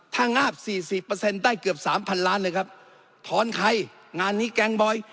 ถ้างาบ๔๐ได้เกือบ๓๐๐๐ล้านเลยครับถอนใครงานนี้แกงก์บอย